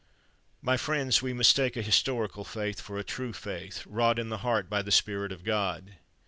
My friends, we mistake a historical faith for a true faith, wrought in the heart by the Spirit of God.